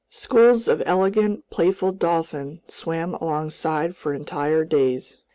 Schools of elegant, playful dolphin swam alongside for entire days.